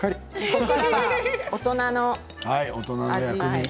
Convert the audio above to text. ここからは大人の味です。